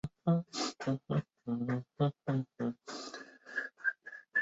是一部由华特迪士尼制作的动画电影。